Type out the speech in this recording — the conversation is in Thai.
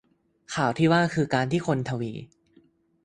ข่าวที่ว่า คือ การที่คนทวี